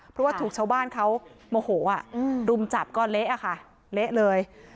เพราะว่าถูกชาวบ้านเขาโมโหรุมจับก็เละอะค่ะเละเลย